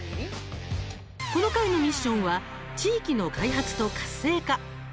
この回のミッションは「地域の開発と活性化」。